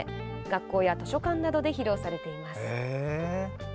学校や図書館などで披露されています。